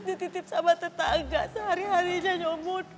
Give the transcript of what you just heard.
dititip sama tetangga sehari harinya nyomot